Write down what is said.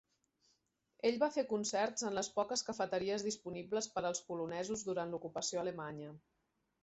Ell va fer concerts en les poques cafeteries disponibles per als polonesos durant l'ocupació alemanya.